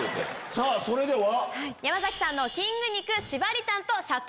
さぁそれでは。